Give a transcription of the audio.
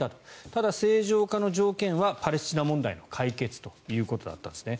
ただ、正常化の条件はパレスチナ問題の解決ということだったんですね。